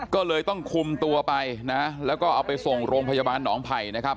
ก็เลยต้องคุมตัวไปนะแล้วก็เอาไปส่งโรงพยาบาลหนองไผ่นะครับ